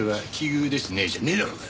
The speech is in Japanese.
じゃねえだろうが！